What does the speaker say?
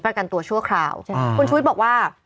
ประการตัวชั่วคราวคุณชุวิตบอกว่า